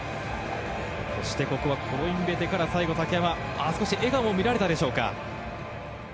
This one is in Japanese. そしてここはコロインベテから最後竹山、笑顔も見られたでしょうか。